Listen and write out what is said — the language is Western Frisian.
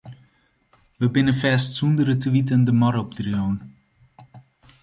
We binne fêst sûnder it te witten de mar opdreaun.